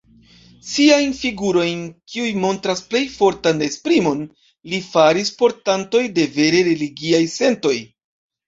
Siajn figurojn, kiuj montras plej fortan esprimon, li faris portantoj de vere religiaj sentoj.